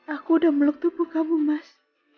aku udah meluk tubuh kamu mas